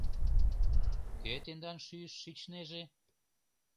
Кӧ тендан шӱйыш шичнеже?